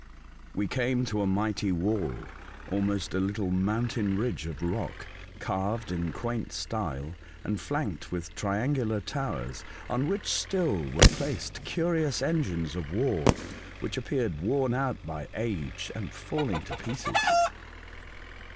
We came to a mighty wall, almost a little mountain ridge of rock, carved in quaint style, and flanked with triangular towers, on which still were placed curious engines of war, which appeared worn out by age and falling to pieces.